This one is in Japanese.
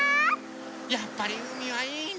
やっぱりうみはいいね。